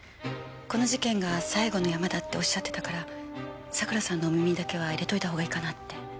この事件が最後のヤマだっておっしゃってたから佐倉さんのお耳にだけは入れておいた方がいいかなって。